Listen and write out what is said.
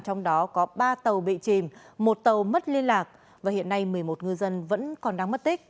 trong đó có ba tàu bị chìm một tàu mất liên lạc và hiện nay một mươi một ngư dân vẫn còn đang mất tích